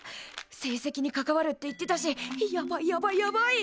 成績に関わるって言ってたしやばいやばいやばい。